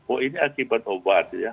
oh ini akibat obat ya